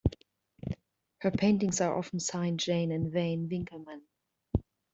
Her paintings are often signed Jane 'in vain' Winkelman.